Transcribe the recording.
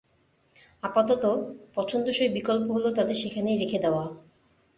আপাতত, পছন্দসই বিকল্প হল তাদের সেখানেই রেখে দেওয়া।